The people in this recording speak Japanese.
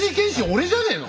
俺じゃねえの？